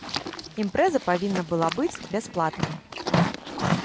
Імпрэза павінна была быць бясплатнай.